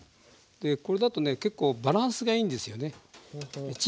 これだとね結構バランスがいいんですよね。